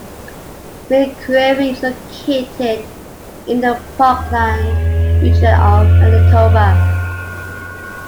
McCreary is located in the Parkland region of Manitoba.